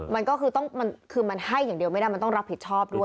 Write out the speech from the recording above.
มันก็คือต้องมันคือมันให้อย่างเดียวไม่ได้มันต้องรับผิดชอบด้วย